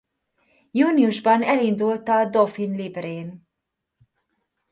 Júniusban elindult a Dauphine Liberén.